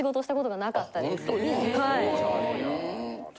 はい。